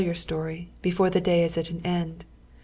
iar story — before the day is at an end.